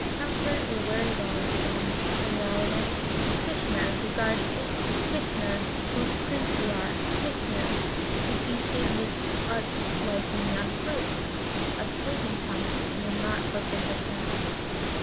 Comfort your weary bones, then, Eengenares. Tishnar, who guards you, Tishnar, whose Prince you are, Tishnar, who feasted even Utts like me on fruits of sleeping time, will not forsake us now."